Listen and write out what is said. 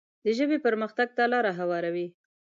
د ژبې پرمختګ ته لاره هواروي.